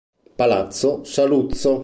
Palazzo Saluzzo